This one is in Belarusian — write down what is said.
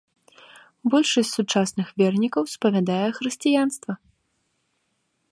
Большасць сучасных вернікаў спавядае хрысціянства.